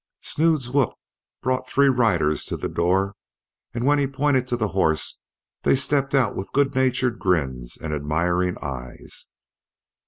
Snood's whoop brought three riders to the door, and when he pointed to the horse, they stepped out with good natured grins and admiring eyes.